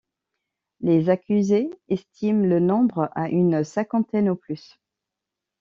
Les accusés estiment le nombre à une cinquantaine ou plus.